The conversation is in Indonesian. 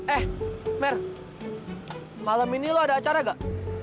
eh mer malam ini lo ada acara gak